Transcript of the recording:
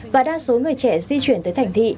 và đa số người trẻ di chuyển tới thành thị